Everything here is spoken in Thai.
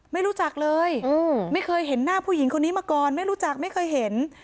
ไม่รู้จักเลยไม่เคยเห็นหน้าผู้หญิงคนนี้มาก่อนไม่รู้จักไม่เคยเห็น